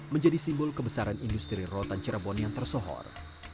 menjadi simbol kebesaran industri rotan cirebon yang tersohor